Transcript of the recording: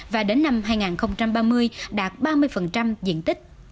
và đến năm hai nghìn ba mươi đạt ba mươi diện tích